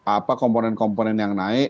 apa komponen komponen yang naik